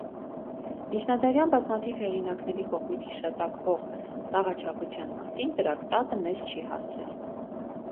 Միջնադարյան բազմաթիվ հեղինակների կողմից հիշատակվող տաղաչափության մասին տրակտատը մեզ չի հասել։